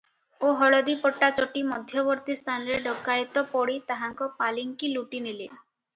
ଓ ହଳଦୀପଦା ଚଟି ମଧ୍ୟବର୍ତ୍ତୀ ସ୍ଥାନରେ ଡକାଏତ ପଡ଼ି ତାହାଙ୍କ ପାଲିଙ୍କି ଲୁଟି ନେଲେ ।